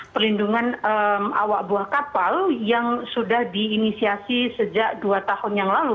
perlindungan awak buah kapal yang sudah diinisiasi sejak dua tahun yang lalu